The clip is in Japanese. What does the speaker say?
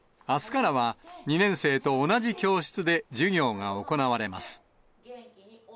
あすからは、２年生と同じ教室で、授業が行われます。